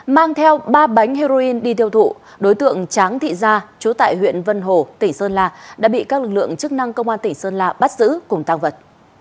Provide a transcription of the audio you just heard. mang theo ba bánh heroin đi tiêu thụ đối tượng tráng thị gia chú tại huyện vân hồ tỉnh sơn la đã bị các lực lượng chức năng công an tỉnh sơn la bắt giữ cùng tăng vật